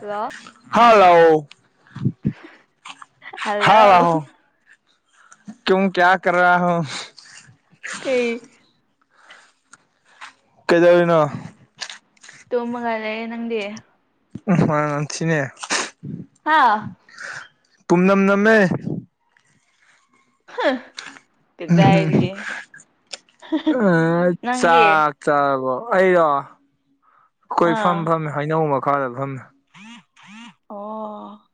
hello ꯍ ꯂꯑꯣ ꯍ ꯍꯜꯂꯣ ꯂꯑꯣ ꯀꯨꯝ ꯀꯌꯥ ꯀ꯭ꯔꯥ ꯍꯣ ꯀꯩ ꯀꯩꯗꯧꯔꯤꯅꯣ ꯇꯨꯝꯃꯒ ꯂꯩꯌꯦꯅꯪꯗꯤ ꯃꯥ ꯊꯅꯦ [unintelligible] ꯍꯥꯥ ꯄꯨꯝꯅꯝ ꯅꯝꯃꯦ ꯍꯪ ꯀꯗꯥꯏꯗꯒꯤ ꯍ ꯍ ꯅꯪꯗꯤ ꯆꯥꯛ ꯆꯥꯔꯕꯣ ꯑꯩꯔꯣ ꯀꯣꯏꯐꯝ ꯑꯥ ꯐꯝꯃꯦ ꯍꯩꯅꯧ ꯃꯈꯥꯗ ꯐꯝꯃꯦ ꯑꯣ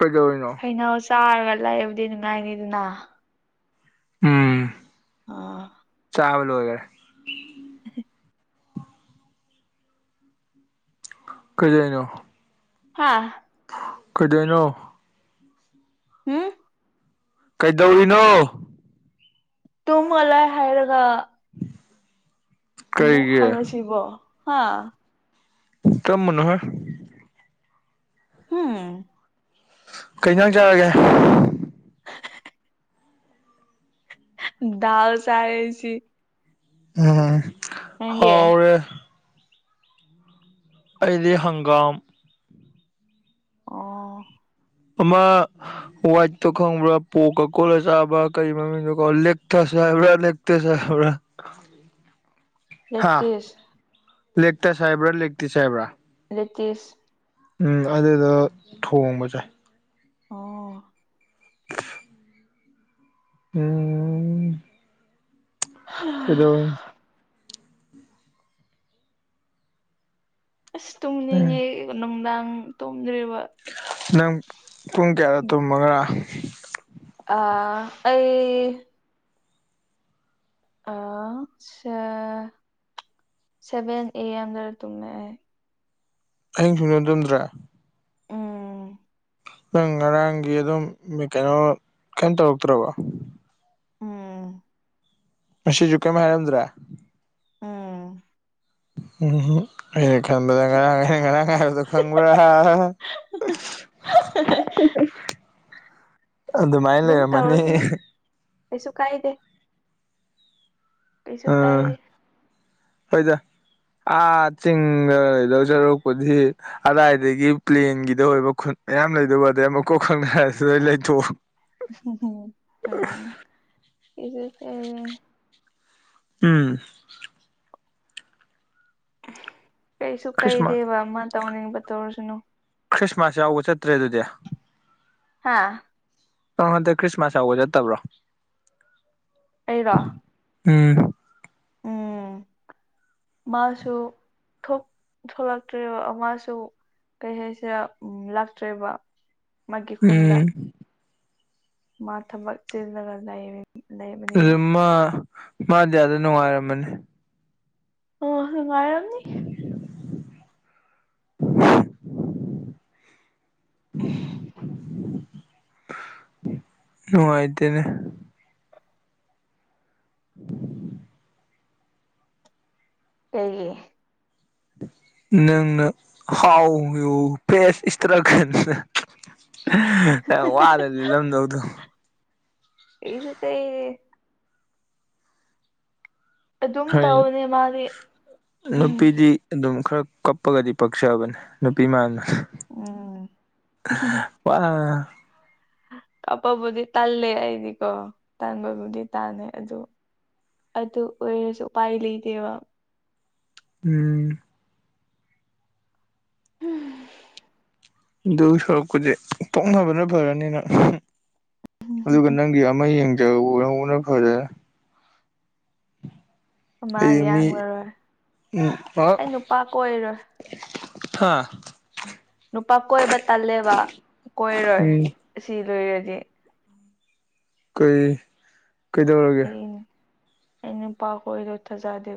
ꯀꯩꯗꯧꯔꯤꯅꯣ ꯀꯩꯅꯣ ꯆꯥꯔꯒ ꯂꯩꯕꯨꯗꯤ ꯅꯨꯡꯉꯥꯏꯅꯤꯗꯅ ꯎꯝ ꯑꯥ ꯇꯥꯕ ꯂꯣꯏꯔꯦ [unintelligible] ꯀꯩꯍꯥꯢꯅꯣ ꯍꯥꯥ ꯀꯩꯗꯣꯏꯅꯣ ꯍꯨꯝ ꯀꯩꯗꯧꯔꯤꯅꯣ ꯇꯨꯝꯃꯒꯂꯩ ꯍꯥꯏꯔꯒ ꯑꯃꯣꯛ ꯀꯩꯒꯤ ꯍꯪꯉꯁꯤꯕꯣ ꯍꯥ ꯀꯔꯝꯕꯅꯣꯍꯧ ꯍꯨꯝ ꯀꯩ ꯍꯤꯟꯖꯥꯡ ꯆꯥꯔꯒꯦ ꯗꯥꯜ ꯆꯔꯦꯁꯤ ꯎꯝ ꯅꯪꯗꯤ ꯍꯥꯎꯔꯦ ꯑꯗꯤ ꯍꯪꯒꯥꯝ ꯑꯣ ꯑꯃꯥ ꯋꯥꯏꯇꯣ ꯈꯪꯕ꯭ꯔꯥ ꯄꯣꯛꯀ ꯀꯣꯜꯂ ꯆꯥꯕ ꯀꯔꯤ ꯃꯃꯤꯡꯗꯣꯀꯣ ꯂꯦꯛꯇꯁ ꯍꯥꯏꯕ꯭ꯔꯥ ꯂꯦꯛ ꯇꯩꯖꯦ ꯍꯧꯔꯦꯟ ꯍꯥꯥ ꯂꯦꯇꯤꯁ ꯂꯦꯛꯇꯁ ꯍꯥꯢꯕ꯭ꯔꯥ ꯂꯦꯛꯇꯤꯁ ꯍꯥꯢꯕ꯭ꯔꯥ ꯅꯦꯛꯇꯤꯁ ꯎꯝ ꯑꯗꯨꯗꯣ ꯊꯣꯡꯕ ꯆꯥꯏ ꯑꯣ ꯎꯝ ꯀꯩꯗꯧꯔꯤꯟ ꯑꯁ ꯎꯝ ꯇꯨꯝꯅꯤꯡꯉꯦ ꯅꯨꯡꯗꯥꯡ ꯇꯨꯝꯗ꯭ꯔꯤꯕ ꯅꯪ ꯄꯨꯡ ꯀꯌꯥꯗ ꯇꯨꯝꯕ ꯉꯔꯥꯡ ꯑꯥ ꯑꯩ ꯑꯩ ꯁꯦ ꯁꯚꯦꯟ ꯑꯦ ꯑꯦꯝꯗ ꯇꯨꯝꯃꯦ ꯑꯩ ꯑꯍꯤꯡ ꯁꯨꯡꯇꯨꯝ ꯇꯨꯝꯗ꯭ꯔꯦ ꯎꯝ ꯅꯪ ꯉꯔꯥꯡꯒꯤ ꯑꯗꯨꯝ ꯀꯩꯅꯣ ꯀꯩꯝ ꯇꯧꯔꯛꯇ꯭ꯔꯕ ꯎꯝ ꯉꯁꯤꯁꯨ ꯀꯩꯝ ꯍꯥꯏꯔꯝꯗ꯭ꯔꯦ ꯎꯝ ꯍꯣꯍꯣꯏ ꯑꯩ ꯈꯟꯕꯗ ꯉꯔꯥꯡ [unintelligible] ꯈꯁꯨ ꯈꯪꯕ꯭ꯔ [unintelligible] ꯑꯗꯨꯃꯥꯏꯅ ꯑꯗꯨꯝ ꯂꯩꯔꯝꯃꯅꯤ ꯇꯧꯔꯁꯩꯅꯨ ꯀꯩꯁꯨ ꯀꯥꯏꯗꯦ ꯀꯩꯁꯨ ꯀꯥꯏ ꯑꯥ ꯍꯣꯏꯗ ꯑꯥ ꯆꯤꯡꯗ ꯂꯩꯗꯧꯖꯔꯨꯛꯄꯨꯗꯤ ꯑꯗꯥꯏꯗꯒꯤ ꯄ꯭ꯂꯦꯟꯒꯤꯗ ꯑꯣꯏꯕ ꯈꯨꯟ ꯃꯌꯥꯝ ꯂꯩꯗꯨꯕꯨ ꯑꯗꯩ ꯑꯝꯃ ꯀꯣꯛ ꯈꯪꯅꯔꯦꯍꯥꯏꯔ ꯂꯩꯊꯣꯛꯎ ꯝꯁꯨ ꯀꯩꯁꯨ ꯀꯥꯏꯗꯦ [unintelligible] ꯎꯝ ꯀꯩꯁꯨ ꯈ꯭ꯔꯤꯁꯃꯥꯁ ꯀꯩꯗꯦꯕ ꯃꯥꯟ ꯇꯧꯅꯤꯡꯕ ꯇꯧꯔꯁꯅꯨ ꯈ꯭ꯔꯤꯁꯃꯥꯁ ꯌꯥꯎꯕ ꯆꯠꯇ꯭ꯔꯦ ꯑꯗꯨꯗꯤ ꯍꯥꯥ ꯅꯪ ꯍꯟꯇꯛ ꯈ꯭ꯔꯤꯁꯃꯥꯁ ꯌꯥꯎꯕ ꯆꯠꯇꯕ꯭ꯔꯣ ꯑꯩꯔꯣ ꯎꯝ ꯎ ꯎꯝ ꯃꯥꯁꯨ ꯊꯣꯛꯂꯛꯇ꯭ꯔ ꯃꯥꯁꯨ ꯀꯩ ꯍꯥꯏꯁꯦ ꯎ ꯂꯥꯛꯇ꯭ꯔꯦꯕ ꯃꯥꯒꯤ ꯈꯨꯟꯗ ꯎꯝ ꯃꯥ ꯊꯝꯕꯛ ꯆꯦꯅ ꯀꯗꯏ ꯑꯗꯨ ꯃꯥ ꯃꯥꯗꯤ ꯑꯗ ꯅꯨꯡꯉꯥꯏꯔꯝꯃꯅꯤ ꯑꯣ ꯅꯨꯡꯉꯥꯢꯔꯝꯅꯤ ꯅꯨꯡꯉꯥꯏꯇꯦꯅꯦ ꯎ ꯀꯩꯒꯤ ꯅꯪꯅ ꯍꯥꯎ ꯌꯨ ꯄꯦꯁ ꯏꯁꯇ꯭ꯔꯒ ꯋꯥꯗꯗꯤ ꯂꯝꯗꯧꯗ ꯑꯩꯁꯨ ꯇ ꯑꯗꯨꯝ ꯍꯣꯏ ꯇꯧꯕꯅꯦ ꯃꯥꯗꯤ ꯅꯨꯄꯤꯗꯤ ꯑꯗꯨꯝ ꯈꯔ ꯀꯞꯄꯒꯗꯤ ꯄꯛꯆꯕꯅꯦ ꯅꯨꯄꯤ ꯃꯅ ꯎꯝ [unintelligible] ꯀꯥꯞꯄꯕꯨꯗꯤ ꯇꯜꯂꯦ ꯑꯩꯗꯤꯀꯣ ꯇꯟꯥꯟꯕꯕꯨꯗꯤ ꯇꯥꯅꯦ ꯑꯗꯨ ꯑꯗꯨ ꯑꯣꯏꯔꯁꯨ ꯎꯄꯥꯏ ꯂꯩꯇꯦꯕ ꯎꯝ ꯑꯗꯨ ꯁꯣꯔꯛꯄꯗꯤ ꯄꯣꯛꯅꯕꯅ ꯐꯔꯅꯤꯅꯪ ꯑꯗꯨꯒ ꯅꯪꯒꯤ ꯑꯃ ꯌꯦꯡꯒꯦ ꯇꯧꯍꯧꯕꯅ ꯐꯗꯣꯢꯔ ꯃꯥ ꯑꯦ ꯃꯤ ꯌꯥꯡꯂꯔꯣꯏ ꯎꯝ ꯍꯥꯛ ꯑꯩ ꯅꯨꯄꯥ ꯀꯣꯏꯔꯣꯏ ꯍꯥꯥ ꯅꯨꯄꯥ ꯀꯣꯏꯕ ꯇꯜꯂꯦꯕ ꯀꯣꯏꯔꯣꯏ ꯎꯝ ꯑꯁꯤ ꯂꯣꯏꯔꯗꯤ ꯀꯩ ꯀꯩꯗꯧꯔꯒꯦ ꯏꯅꯤ ꯄꯥꯈ ꯑꯣꯏꯣꯏꯗ ꯑꯣꯊ ꯆꯗꯦ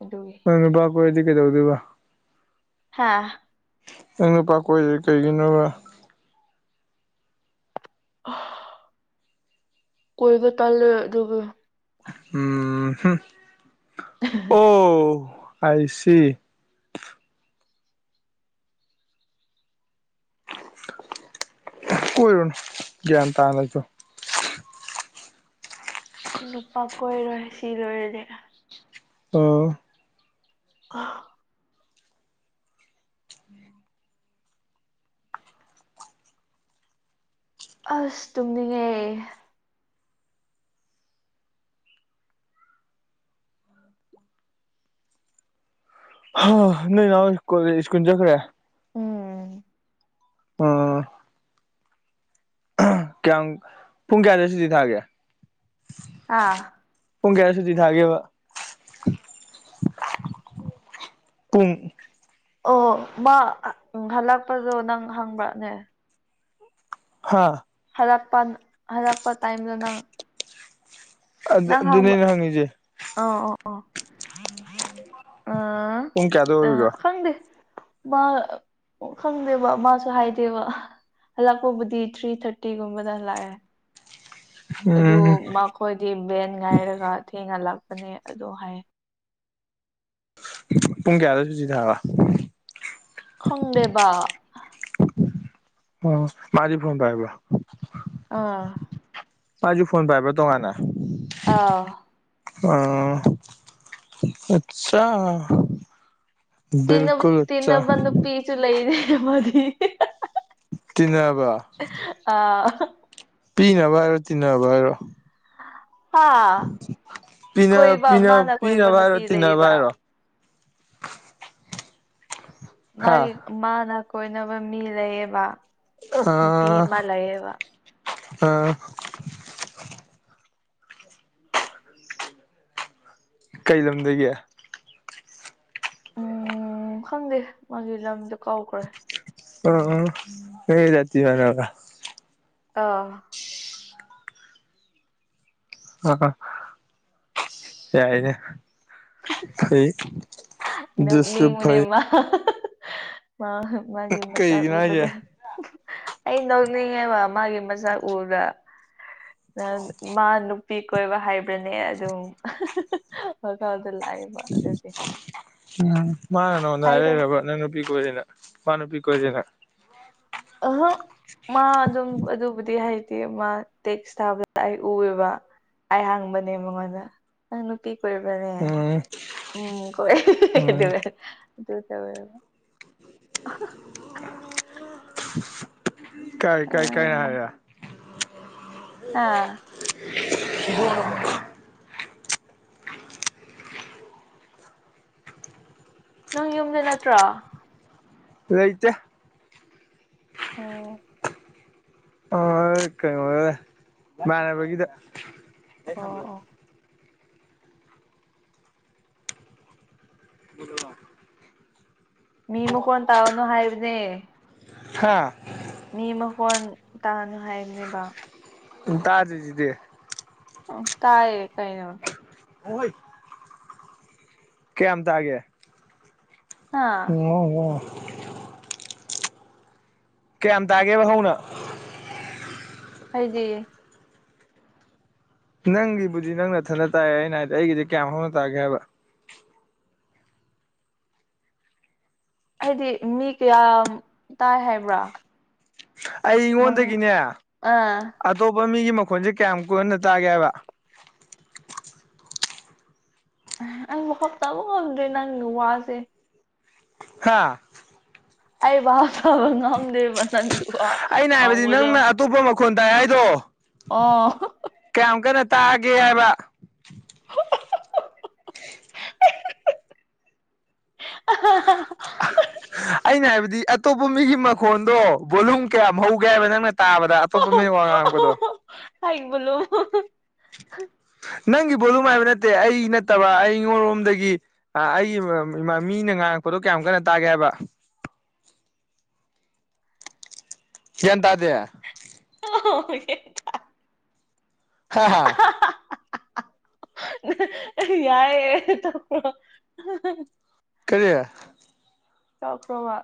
ꯑꯗꯨꯏ ꯅꯪ ꯅꯨꯄꯥ ꯀꯣꯏꯔꯗꯤ ꯀꯩꯗꯧꯗꯣꯏꯕ ꯍꯥꯥ ꯅꯪꯅꯄꯥ ꯀꯣꯏꯁꯦ ꯀꯩꯒꯤꯅꯣ ꯑ [unintelligible] ꯀꯣꯏꯕ ꯇꯥꯜꯂꯦ ꯑꯗꯨꯒ ꯎ ꯑꯣ ꯑꯁꯤ ꯀꯣꯏꯔꯨꯅꯨ ꯒ꯭ꯌꯥꯟ ꯇꯥꯅ ꯂꯩꯊꯣ ꯅꯨꯄꯥ ꯀꯣꯏꯔꯣꯏ ꯁꯤ ꯂꯣꯏꯔꯗꯤ ꯎꯝ ꯑ ꯑꯁ ꯇꯨꯝꯅꯤꯡꯉꯦ ꯍ ꯅ ꯀꯣ ꯏ ꯏꯁꯀꯨ ꯆꯖꯈ ꯎꯝ ꯑꯣ ꯀꯌꯥꯝ ꯄꯨꯡ ꯀꯌꯥꯗ ꯁꯨꯇꯤ ꯊꯥꯒꯦ ꯑꯥ ꯄꯨꯡ ꯀꯌꯥ ꯁꯨꯇꯤ ꯊꯥꯒꯦꯕ ꯄꯨꯡ ꯑꯣ ꯃꯥ ꯍꯜꯂꯛꯄꯗꯣ ꯅꯪ ꯍꯪꯕ꯭ꯔꯅꯦ ꯍꯥꯥ ꯍꯔꯛꯄ ꯍꯥꯔꯛꯄ ꯇꯥꯏꯝꯗꯅꯪ ꯑꯗꯨ ꯑꯗꯨꯅꯦꯩꯅ ꯍꯪꯉꯤꯁꯦ ꯑ ꯑ ꯑ ꯄꯨꯡ ꯀꯌꯥꯗ ꯑ ꯑꯣꯏꯔꯤꯔꯣ ꯈꯪꯗꯦ ꯃꯥ ꯈꯪꯗꯦꯕ ꯃꯥꯁꯨ ꯍꯥꯏꯗꯦꯕ ꯍꯜꯂꯛꯄꯕꯨꯗꯤ ꯊ꯭ꯔꯤ ꯊꯥꯔꯇꯤꯒꯨꯝꯕꯗ ꯍꯜꯂꯛꯑꯦ ꯑꯗꯨ ꯎꯝ ꯃꯈꯣꯏꯗꯤ ꯚꯦꯟ ꯉꯥꯏꯔꯒ ꯊꯦꯡꯅꯂꯥꯛꯄꯅꯦ ꯑꯗꯨ ꯍꯥꯏ ꯄꯨꯡ ꯀꯌꯥꯗ ꯁꯨ ꯆꯤ ꯊꯥꯕ ꯈꯪꯗꯦꯕ ꯑꯣ ꯃꯥꯗꯤ ꯐꯣꯟ ꯇꯥꯏꯕ ꯑꯥ ꯃꯥꯏꯖꯨ ꯐꯣꯟ ꯄꯥꯏꯕ꯭ꯔ ꯇꯣꯉꯥꯟꯅ ꯑꯥ ꯑ ꯑꯆꯥ ꯕꯤꯜꯀꯨꯜ ꯑꯆꯥ ꯄꯤꯁꯨ ꯂꯩꯔꯦ ꯃꯗꯤ ꯇꯟꯅꯕ ꯑ ꯑꯍ ꯄꯤꯅꯕ ꯍꯥꯏꯔꯣ ꯇꯤꯟꯅꯕ ꯍꯥꯏꯔꯣ ꯍꯥ ꯄꯤꯅ ꯀꯣꯏꯕ ꯄꯤꯅ ꯃꯥꯅ ꯀꯣꯏꯕ ꯄꯤꯅꯕ ꯍꯥꯏꯔꯣ ꯅꯨꯄꯤ ꯇꯤꯟꯅꯕ ꯂꯩꯌꯦꯕ ꯍꯥꯏꯔꯣ ꯍꯥ ꯃꯥꯒꯤ ꯃꯥꯅ ꯀꯣꯏꯅꯕ ꯃꯤ ꯂꯩꯌꯦꯕ ꯅꯨꯄꯤ ꯑ ꯑꯃ ꯂꯩꯌꯦꯕ ꯑ ꯀꯩ ꯂꯝꯒꯦ ꯎꯝ ꯈꯪꯗꯦ ꯃꯥꯒꯤ ꯔꯝꯗꯣ ꯀꯥꯎꯈ꯭ꯔꯦ ꯑꯣ ꯍꯖꯇ ꯃꯅ ꯑꯥ ꯑ ꯌꯥꯏꯅꯦ ꯑꯩꯣꯏ ꯅꯛꯅꯤꯡꯕꯅꯦ ꯃꯥ ꯃꯥꯒꯤ ꯃꯆꯥꯛ ꯀꯩꯒꯤꯅꯣ ꯍꯥꯏꯁꯦ ꯎꯕꯗ ꯑꯩ ꯅꯣꯛꯅꯤꯡꯉꯦꯕ ꯃꯥꯒꯤ ꯃꯁꯛ ꯎꯕꯗ ꯃꯥ ꯅꯨꯄꯤ ꯀꯣꯏꯕ ꯍꯥꯏꯕ꯭ꯔꯅꯦ ꯑꯗꯨꯝ ꯍ ꯀꯥꯎꯗ ꯂꯑꯕ ꯑꯗꯨꯗꯒꯤ ꯃꯥ ꯉꯅ ꯍꯥꯏꯔꯦꯔꯔꯕ ꯅꯪ ꯅꯨꯄꯤ ꯀ ꯑꯣꯏꯣꯏꯗꯅ ꯃꯥ ꯅꯨꯄꯤ ꯀ ꯑꯣꯏꯗꯅ ꯑꯍꯥ ꯃꯥ ꯑꯗꯨꯝ ꯑꯗꯨꯕꯨꯗꯤ ꯍꯥꯏꯇꯦ ꯃꯥ ꯇꯦꯛꯁ ꯊꯥꯕꯗ ꯑꯩ ꯎꯌꯦꯕ ꯑꯩ ꯍꯡꯕꯅꯦ ꯃꯉꯣꯟꯗ ꯅꯨꯄꯤ ꯀꯅꯦ ꯎꯝ ꯎꯝ ꯀ ꯎꯝ ꯑꯗꯨ ꯇꯕꯕ ꯀꯥꯏ ꯀꯥꯏ ꯀꯥꯏꯅ ꯍꯥꯏꯔꯦ ꯑꯥ [unintelligible] ꯅꯪ ꯌꯨꯝꯗ ꯅꯠꯇ꯭ꯔꯣ ꯥꯂꯩꯇꯦ ꯎꯝ ꯑꯣ ꯀꯩꯅꯣ ꯏꯃꯅꯕꯒꯤꯗ ꯑꯣ ꯑꯣ [unintelligible] ꯃꯤ ꯃꯀꯣꯟ ꯇꯥꯒꯅꯨ ꯍꯥꯏꯕꯅꯦ ꯍꯥ ꯃꯤ ꯃꯈꯣꯟ ꯇꯥꯅꯨ ꯍꯥꯏꯕꯅꯦꯕ ꯎꯝ ꯇꯥꯗ꯭ꯔꯤꯖꯤꯗꯤ ꯑ ꯇꯥꯏꯌꯦ ꯀꯩꯅꯣ ꯎꯣꯏ ꯀꯌꯥꯝ ꯇꯥꯒꯦ ꯍꯥ ꯑꯣ ꯑꯣ ꯀꯌꯥꯝ ꯇꯥꯒꯦꯕ ꯍꯧꯅ ꯑꯩꯗꯤ ꯅꯪꯒꯤꯕꯨꯗꯤ ꯅꯪ ꯅꯊꯟꯅ ꯇꯥꯏꯑꯦ ꯑꯩꯅ ꯍꯥꯏꯗꯤ ꯑꯩꯒꯤꯗꯤ ꯀꯌꯥꯝ ꯍꯧꯥꯎꯅ ꯇꯥꯒꯦ ꯍꯥꯏꯕ ꯍꯥꯏꯗꯤ ꯃꯤ ꯀꯌꯥꯝ ꯇꯥꯏ ꯍꯥꯏꯕ꯭ꯔꯥ ꯑꯩ ꯅꯪ ꯑꯩꯉꯣꯟꯗꯒꯤꯅꯦ ꯑꯥ ꯑꯇꯣꯞꯄ ꯃꯤꯒꯤ ꯃꯈꯣꯟꯁꯦ ꯀꯌꯥꯝ ꯀꯨꯟꯅ ꯇꯥꯒꯦ ꯍꯥꯏꯕ ꯑ ꯑꯩ [unintelligible] ꯉꯝꯗ꯭ꯔꯦ ꯅꯪꯒꯤ ꯋꯥꯖꯦ ꯍꯥꯥ ꯑꯩ ꯚꯥꯕ ꯇꯥꯕ ꯉꯝꯗꯦꯕ ꯅꯪꯒꯤ ꯋꯥ ꯉꯥꯡꯕꯗꯣ ꯑꯩꯗꯣ ꯑꯣ ꯀꯌꯥꯝ ꯀꯟꯅ ꯇꯥꯒꯦ ꯍꯥꯏꯕ [unintelligible] ꯑꯩꯅ ꯍꯥꯏꯕꯗꯤ ꯑꯇꯣꯞꯄ ꯃꯤꯒꯤ ꯃꯈꯣꯟꯗꯣ ꯕꯣꯂꯨꯝ ꯀꯌꯥꯝ ꯍꯧꯒꯦ ꯍꯥꯏꯕ ꯅꯪꯅ ꯇꯥꯕꯗ ꯑꯇꯣꯞꯄ ꯃꯤꯅ ꯋꯥ ꯉꯥꯡꯕꯗꯣ ꯑꯩ [unintelligible] [unintelligible] ꯅꯪꯒꯤ ꯕꯣꯂꯨꯝ ꯍꯥꯏꯕ ꯅꯠꯇꯦ ꯑꯩ ꯅꯠꯇꯕ ꯑꯩꯉꯣꯟꯂꯣꯝꯗꯒꯤ ꯑ ꯑꯩ ꯃꯔꯝꯗ ꯏꯃꯥ ꯃꯤꯅ ꯉꯥꯡꯉꯛꯄꯗꯣ ꯀꯌꯥꯝ ꯀꯟꯅ ꯇꯥꯒꯦ ꯍꯥꯏꯕ ꯒ꯭ꯌꯥꯟ ꯇꯥꯗꯦ [unintelligible] ꯍꯥ ꯍꯥꯥ [unintelligible] ꯌꯥꯏ [unintelligible] ꯀꯔꯤ ꯇꯣꯛꯈ꯭ꯔꯣꯕ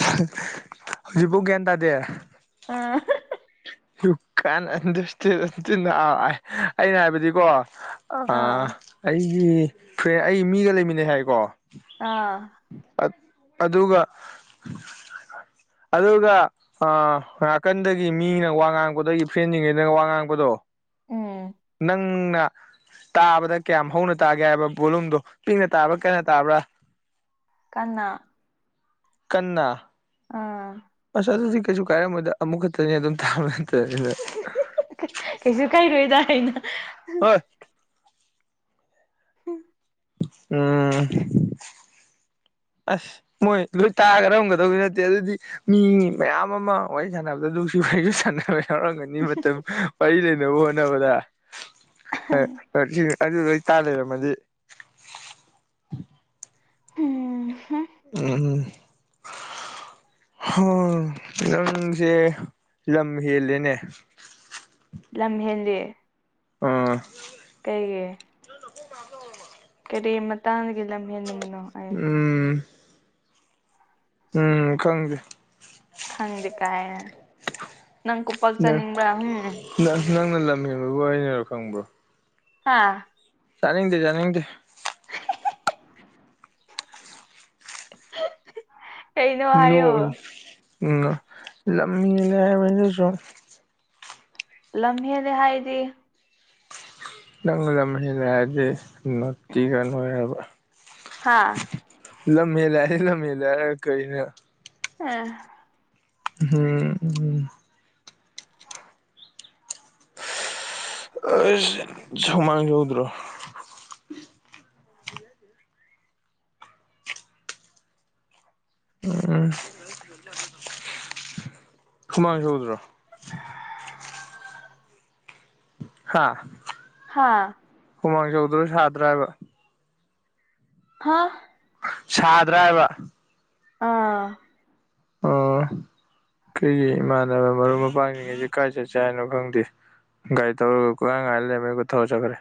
[unintelligible] ꯍꯧꯖꯤꯛꯐꯥꯎ ꯒ꯭ꯌꯥꯟ ꯇꯥꯗꯦ ꯑꯥ [unintelligible] ꯑꯩꯅ ꯍꯥꯏꯕꯗꯤꯀꯣ ꯑꯩ ꯑꯥ ꯑꯩꯒꯤ ꯐ꯭ꯔꯦꯟ ꯑꯩ ꯃꯤꯒ ꯂꯩꯃꯤꯟꯅꯩ ꯍꯥꯏꯀꯣ ꯑꯥ ꯑꯠ ꯑꯗꯨꯒ ꯑꯗꯨꯒ ꯅꯥꯀꯟꯗꯒꯤ ꯃꯤꯅ ꯋꯥ ꯋꯥ ꯉꯥꯡꯕꯗꯒꯤ ꯐꯦꯟꯖꯤꯡꯉꯩ ꯋꯥ ꯉꯥꯡꯕꯗꯣ ꯎꯝ ꯅꯪꯅ ꯇꯥꯕꯗ ꯀꯌꯥꯝ ꯍꯧꯅ ꯇꯥꯒꯦ ꯍꯥꯏꯕ ꯚꯣꯂꯨꯝꯗꯣ ꯄꯤꯛꯅ ꯇꯥꯕ꯭ꯔꯥ ꯀꯟꯅ ꯇꯥꯕ꯭ꯔꯥ ꯀꯟꯅꯥ ꯀꯟꯅꯥ ꯑꯥ ꯑꯁ ꯑꯗꯨꯗꯤ ꯀꯩꯁꯨ ꯀꯥꯏꯔꯝꯃꯣꯏꯗ ꯑꯃꯨꯛ ꯈꯛꯇꯅꯤ ꯑꯗꯨꯝ ꯇꯥꯕ ꯅꯠꯇꯃꯤꯅ ꯀꯩꯁꯨ ꯀꯩꯏꯔꯣꯏꯗ ꯍꯥꯏꯅ ꯍꯣꯏ ꯍꯨꯝ ꯎꯝ ꯑꯁ ꯃꯣꯏ ꯂꯣꯏ ꯇꯥꯔꯝꯒꯗꯧꯕꯒꯤ ꯅꯠꯇꯦ ꯑꯗꯨꯗꯤ ꯃꯤ ꯃꯌꯥꯝ ꯑꯃ ꯋꯥꯔꯤ ꯁꯥꯟꯅꯕꯗ ꯅꯨꯡꯁꯤ ꯋꯥꯔꯤꯁꯨ ꯁꯥꯟꯅꯕ ꯌꯥꯎꯔꯝꯒꯅꯤ ꯃꯇꯝ ꯋꯥꯔꯤ ꯂꯩꯅꯕ ꯍꯣꯠꯅꯕꯗ ꯑꯗꯨ ꯂꯣꯏ ꯇꯥ ꯂꯩꯔꯝꯃꯗꯤ ꯎꯝ ꯎꯝ ꯎꯝ [unintelligible] ꯅꯪꯁꯦ ꯂꯝ ꯍꯦꯜꯂꯦꯅꯦ ꯂꯝ ꯍꯦꯜꯂꯤ ꯎꯝ ꯀꯩꯒꯤ ꯀꯔꯤ ꯃꯇꯥꯡꯗꯒꯤ ꯂꯝ ꯍꯦꯟꯕꯅꯣ ꯑꯩ ꯎꯝ ꯎꯝ ꯈꯪꯁꯦ ꯈꯪꯗꯦ ꯀꯥꯏꯅ ꯅꯪ ꯀꯨꯞꯄꯛ ꯆꯥꯅꯤꯡꯕ꯭ꯔꯥ ꯎꯝ ꯅꯪ ꯅꯪꯅ ꯂꯝ ꯍꯦꯟꯕꯕꯨ ꯋꯥꯔꯤꯅꯕ ꯈꯪꯕ꯭ꯔꯣ ꯍꯥꯥ ꯆꯅꯤꯡꯗꯦ ꯆꯅꯤꯡꯗꯦ ꯀꯩꯅꯣ ꯍꯥꯏꯌꯣ ꯅꯣꯛꯏ ꯎꯝꯃ ꯂꯝꯅꯦꯅ ꯍꯥꯏꯕꯅꯦ ꯁꯨꯝ ꯂꯝꯍꯦꯜꯂ ꯍꯥꯏꯗꯤ ꯅꯪ ꯂꯝꯍꯦꯜꯂꯦ ꯍꯥꯏꯔꯗꯤ ꯅꯣꯠꯇꯤꯒꯟ ꯑꯣꯏꯔꯕ ꯍꯥꯥ ꯂꯝꯃꯦꯦꯂ ꯂꯃꯦꯦꯂꯔ ꯀꯣꯏꯅ ꯎꯝ ꯍꯝ ꯎꯝ ꯑ ꯁꯨꯃꯥꯡ ꯌꯧꯗ꯭ꯔꯣ ꯎꯝ ꯁꯨꯃꯥꯡ ꯍꯎꯗ꯭ꯔꯣ ꯍꯥꯥ ꯍꯥꯥ ꯍꯨꯃꯥꯡ ꯆꯧꯗ꯭ꯔꯁꯨ ꯁꯥꯗ꯭ꯔꯥ ꯍꯥꯏꯕ ꯍꯥꯥ ꯁꯥꯗ꯭ꯔꯥ ꯍꯥꯏꯕ ꯑꯥ ꯑꯣ ꯑꯩꯈꯣꯏꯒꯤ ꯏꯃꯥꯟꯅꯕ ꯃꯔꯨꯞ ꯃꯄꯥꯡꯁꯤꯡꯉꯩꯁꯤꯦ ꯀꯥꯏ ꯆꯠꯁꯤ ꯀ ꯍꯥꯏꯅꯣ ꯈꯪꯗꯦ ꯒꯥꯏꯗ ꯇꯧꯔꯒ ꯀꯨꯥꯡ ꯉꯥꯏꯅ ꯂꯩꯔꯃꯤ ꯑꯩꯒ ꯊꯧ ꯆꯠꯈ꯭ꯔꯦ